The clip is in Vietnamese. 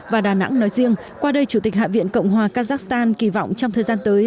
và đà nẵng nói riêng qua đây chủ tịch hạ viện cộng hòa kazakhstan kỳ vọng trong thời gian tới